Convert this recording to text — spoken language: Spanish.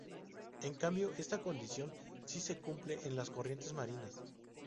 En cambio, esta condición sí se cumple en las corrientes marinas.